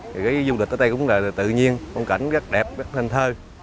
với du lịch ở đây cũng là tự nhiên phong cảnh rất đẹp rất hình thơ